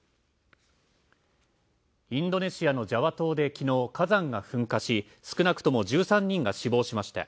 インドネシアのジャワ島で昨日、火山が噴火し、少なくとも１３人が死亡しました。